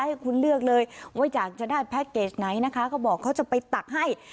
ให้คุณเลือกเลยว่าอยากจะได้แพ็คเกจไหนนะคะเขาบอกเขาจะไปตักให้